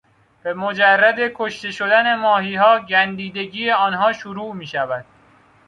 به مجرد کشته شدن ماهیها گندیدگی آنها شروع میشود.